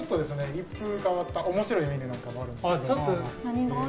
一風変わった面白いメニューもあるんですけど。